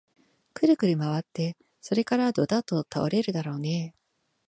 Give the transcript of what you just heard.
くるくるまわって、それからどたっと倒れるだろうねえ